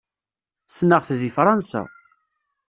Ssneɣ-t deg Fṛansa.